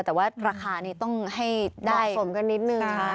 แต่ว่าราคานี้ต้องให้ได้สะสมกันนิดนึง